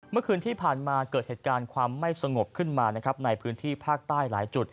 เมื่อคืนที่ผ่านมาเกิดเหตุการณ์ความไม่สงบขึ้นมานะครับในพื้นที่ภาคใต้หลายจุด